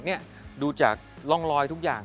นี่ดูจากร่องรอยทุกอย่าง